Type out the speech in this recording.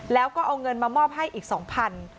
แล้วก็เอาเงินมามอบให้อีก๒๐๐บาท